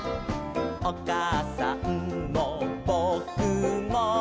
「おかあさんもぼくも」